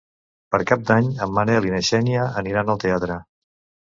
Per Cap d'Any en Manel i na Xènia aniran al teatre.